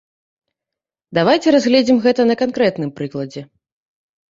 Давайце разгледзім гэта на канкрэтным прыкладзе.